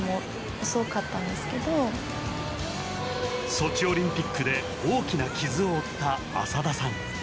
ソチオリンピックで大きな傷を負った浅田さん